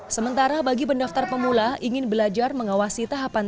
sementara bagi pendaftar pemula ingin belajar mengawasi tahapan